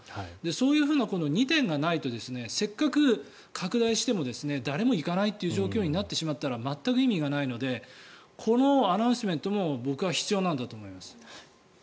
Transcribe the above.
そういうふうな２点がないとせっかく拡大しても誰も行かない状況になってしまったら全く意味がないのでこのアナウンスメントも僕は必要なんだと思います。